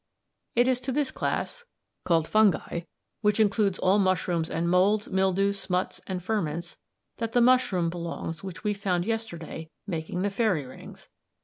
"It is to this class, called fungi, which includes all mushrooms and moulds, mildews, smuts, and ferments, that the mushroom belongs which we found yesterday making the fairy rings.